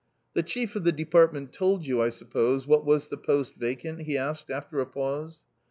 " The chief of the department told you, I suppose, what was the post vacant ?" he asked after a pause.